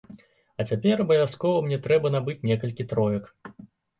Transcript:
А цяпер абавязкова мне трэба набыць некалькі троек.